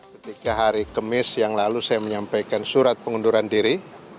ketika hari kemis yang lalu saya menyampaikan surat pengunduran diri